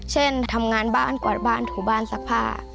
เช่นทำงานบ้านกวาดบ้านถูบ้านซักผ้า